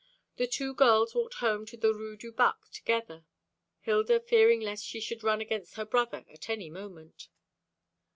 The two girls walked home to the Rue du Bac together, Hilda fearing lest she should run against her brother at any moment.